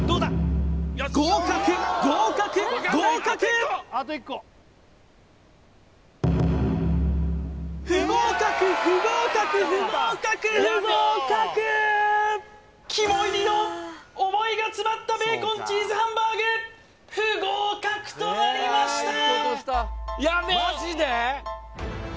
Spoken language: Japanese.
合格合格合格不合格不合格不合格不合格肝いりの思いが詰まったベーコンチーズハンバーグ不合格となりました！